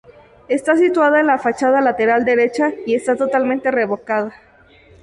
Está situada en la fachada lateral derecha y está totalmente revocada.